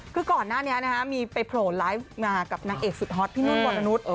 คือก่อนหน้านี้มีไปโผล่ไลฟ์มากับนางเอกสุดฮอตพี่นุ่นวรนุษย์